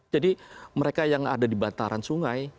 jadi mereka yang ada di bantaran sungai